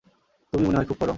তুমি মনে হয় খুব করো?